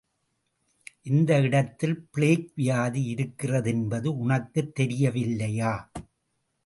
இந்த இடத்தில் பிளேக் வியாதி இருக்கிறதென்பது உனக்குத் தெரியவில்லையா?